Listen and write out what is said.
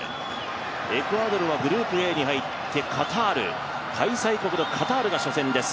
エクアドルはグループＡに入って開催国のカタールが初戦です。